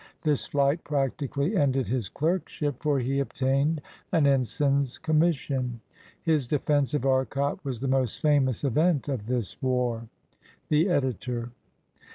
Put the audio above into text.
This flight practically ended his clerkship, for he obtained an ensign's commission. His defense of Arcot was the most famous event of this war. The Editor.